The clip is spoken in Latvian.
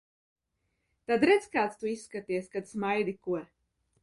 Tad redz kāds tu izskaties, kad smaidi, ko?